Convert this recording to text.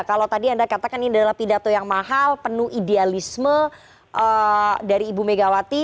kalau tadi anda katakan ini adalah pidato yang mahal penuh idealisme dari ibu megawati